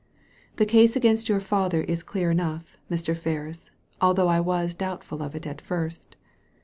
The case against your father is clear enough, Mr. Ferris, although I was doubtful of it at first.